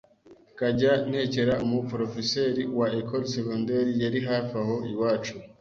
kajya ntekera umu Profeseri wa Ecole Secondaire yari hafi aho iwacu